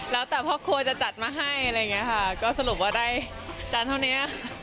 แล้วแต่พ่อครัวจะจัดมาให้อะไรอย่างนี้ค่ะก็สรุปว่าได้จานเท่านี้